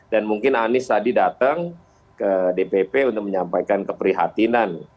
dan mungkin anies tadi datang ke dpp untuk menyampaikan keprihatinan